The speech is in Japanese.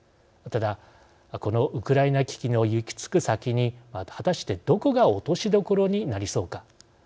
ただ、このウクライナ危機の行き着く先に果たして、どこが落としどころになりそうか。